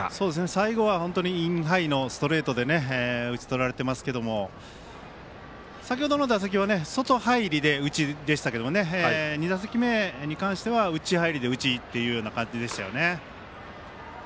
最後はインハイのストレートで打ち取られていますけども先ほどの打席は外入りで、内でしたけども２打席目に関しては内入りで、内という感じでしたね。